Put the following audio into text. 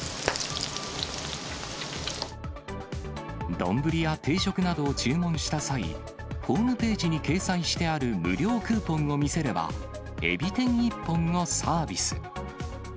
丼や定食などを注文した際、ホームページに掲載してある無料クーポンを見せれば、えび天１本をサービス。